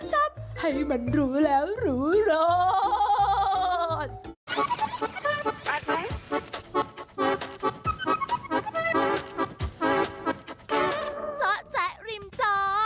ให้มันหรูแล้วหรูรอด